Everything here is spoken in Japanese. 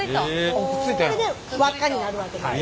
これで輪っかになるわけです。